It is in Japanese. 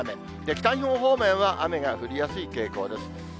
北日本方面は雨が降りやすい傾向です。